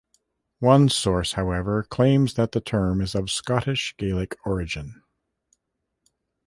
One source, however, claims that the term is of Scottish Gaelic origin.